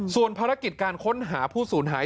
ส่วนภารกิจการค้นหาผู้สูญหาย